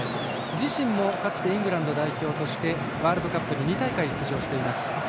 自身もかつてイングランド代表としてワールドカップ２大会出場しています。